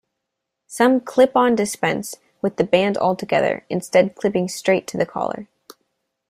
Some "clip-ons" dispense with the band altogether, instead clipping straight to the collar.